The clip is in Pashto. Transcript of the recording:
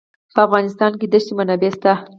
په افغانستان کې د ښتې منابع شته.